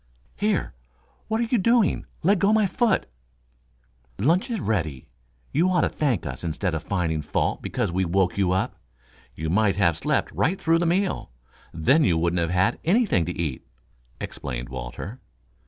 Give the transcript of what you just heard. "Here, what are you doing? Leggo my foot." "Lunch is ready. You ought to thank us, instead of finding fault because we woke you up. You might have slept right through the meal; then you wouldn't have had anything to eat," explained Walter.